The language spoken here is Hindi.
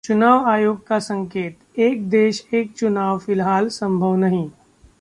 चुनाव आयोग का संकेत, एक देश-एक चुनाव फिलहाल संभव नहीं